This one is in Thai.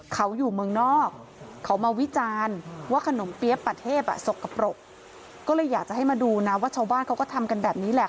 ก็เลยอยากจะให้มาดูนะว่าชาวบ้านเขาก็ทำกันแบบนี้แหละ